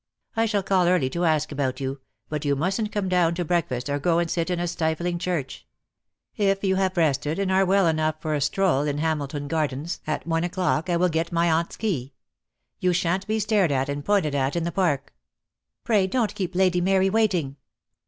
I shall call early to ask about you — but you mustn't come down to breakfast or go and sit in a stifling church. If you have rested and are well enough for a stroll 2l8 DEAD LOVE HAS CHAINS. in Hamilton Gardens at one o'clock, I will get my aunt's key. You shan't be stared at and pointed at in the Park." "Pray don't keep Lady Mary waiting."